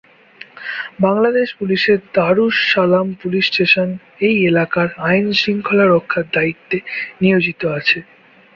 বাংলাদেশ পুলিশের Darus Salam police station এই এলাকার আইনশৃঙ্খলা রক্ষার দায়িত্বে নিয়োজিত আছে।